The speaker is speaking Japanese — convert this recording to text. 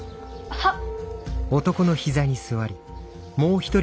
はっ。